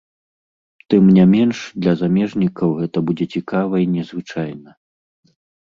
Тым не менш для замежнікаў гэта будзе цікава і незвычайна.